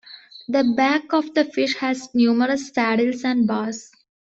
The back of the fish has numerous saddles and bars.